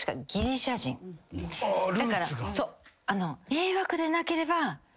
迷惑でなければ。